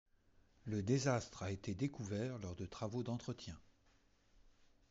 Le désastre a été découvert lors de travaux d'entretien.